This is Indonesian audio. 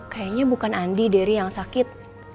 kayaknya bukan andi deh ri yang sakit